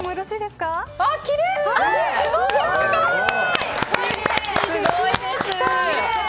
すごーい！